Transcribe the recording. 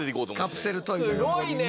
カプセルトイの横にね。